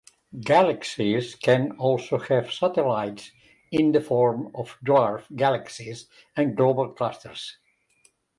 Galaxies can also have satellites in the form of dwarf galaxies and globular clusters.